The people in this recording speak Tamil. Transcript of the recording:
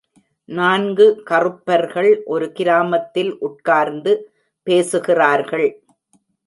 நான்கு கறுப்பர்கள் ஒரு கிராமத்தில் உட்கார்ந்து பேசுகிறார்கள்.